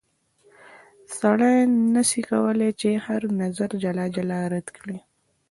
سړی نه سي کولای چې هر نظر جلا جلا رد کړي.